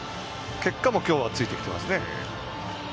結果もきょうはついてきています。